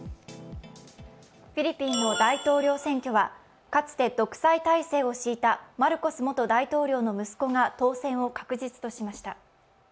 フィリピンの大統領選挙はかつて独裁体制を敷いたマルコス元大統領の息子が当選を確実としました。